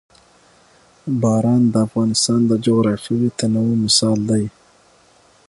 باران د افغانستان د جغرافیوي تنوع مثال دی.